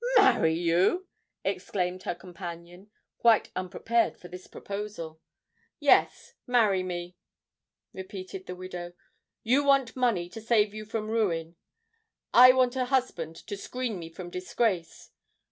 "Marry you!" exclaimed her companion, quite unprepared for this proposal. "Yes—marry me," repeated the widow. "You want money to save you from ruin—I want a husband to screen me from disgrace.